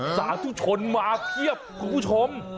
สาธุชนมาเพียบคุณผู้ชม